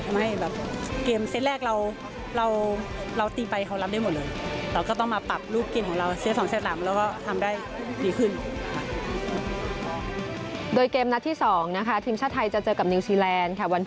ไม่แบบเกมเซตแรกเราตีไปเขารับได้หมดเลย